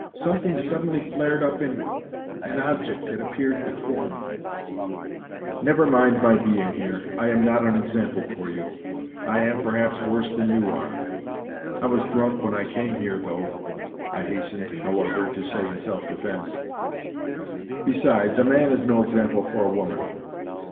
Something suddenly flared up in me. An object had appeared before me. NOTES FROM UNDERGROUND 123 " Never mind my being here, I am not an example for you. I am, perhaps, worse than you are. I was drunk when I came here, though," I hastened, however, to say in self defence. " Besides, a man is no example for a woman.